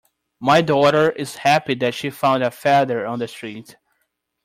My daughter is happy that she found a feather on the street.